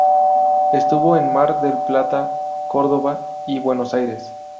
Estuvo en Mar del Plata, Córdoba y Buenos Aires.